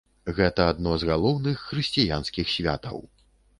Гэта адно з галоўных хрысціянскіх святаў.